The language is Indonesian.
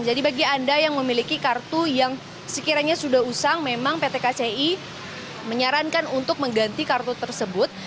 jadi bagi anda yang memiliki kartu yang sekiranya sudah usang memang pt kci menyarankan untuk mengganti kartu tersebut